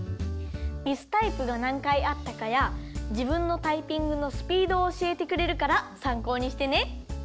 ミスタイプがなんかいあったかやじぶんのタイピングのスピードをおしえてくれるからさんこうにしてね。